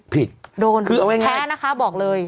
ผิดโดนแพ้นะคะบอกเลย